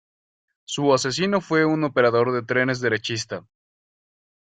Su asesino fue un operador de trenes derechista.